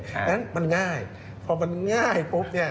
เพราะฉะนั้นมันง่ายพอมันง่ายปุ๊บเนี่ย